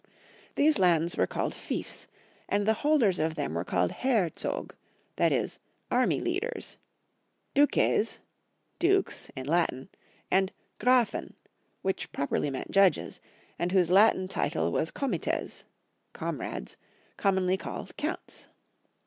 These lands were called fiefs, and the holders of them were called Heer Zog — that is, army leaders — Duces (Dukes) in Latm; and Grafen, which properly meant judges, and whose Latin title was Comites (comrades), commonly called Counts.